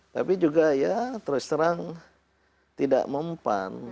tapi juga ya terus terang tidak mempan